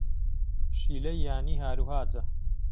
پشیلەی یانی ھاروھاجە.